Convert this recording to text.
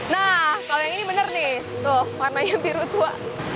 nah kalau yang ini bener nih tuh warnanya biru tua